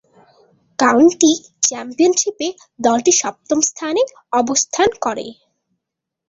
County চ্যাম্পিয়নশীপে দলটি সপ্তম স্থানে অবস্থান করে।